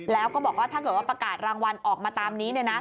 แล้วก็บอกว่าถ้าเกิดว่าประกาศรางวัลออกมาตามนี้